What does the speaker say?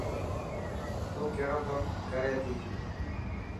تون ڪهڙو ڪم ڪري ٿي.